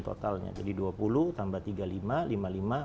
totalnya jadi dua puluh tambah tiga puluh lima